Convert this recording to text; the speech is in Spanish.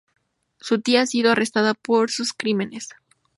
Su tía ha sido arrestada por sus crímenes.